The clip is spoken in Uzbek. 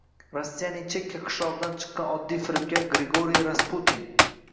Rossiyaning chekka qishlog‘idan chiqqan oddiy firibgar Grigoriy Rasputin